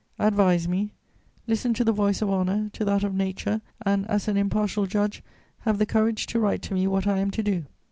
Advise me; listen to the voice of honour, to that of nature, and, as an impartial judge, have the courage to write to me what I am to do.